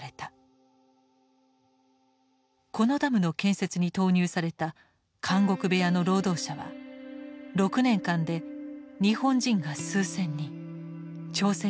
このダムの建設に投入された「監獄部屋」の労働者は６年間で日本人が数千人朝鮮人が３，０００人に上るという。